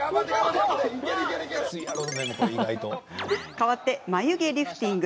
かわって、まゆげリフティング。